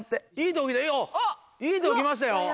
いいとこきましたよ